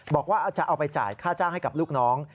บอกว่าจะเอาไปจ่ายค่าจ้างให้กับลูกน้อง